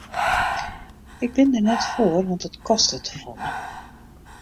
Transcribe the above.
Ik bin der net foar want it kostet te folle.